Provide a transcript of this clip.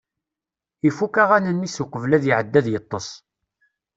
Ifukk aɣanen-is uqbel ad iɛeddi ad yeṭṭes.